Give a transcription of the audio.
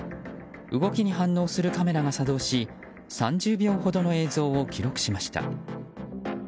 動きに反応するカメラが作動し３０秒ほどの映像を記録しました。